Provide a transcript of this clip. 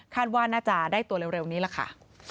ว่าน่าจะได้ตัวเร็วนี้ล่ะค่ะ